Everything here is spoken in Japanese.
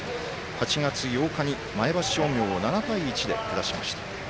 ８月８日に前橋商業を７対１で下しました。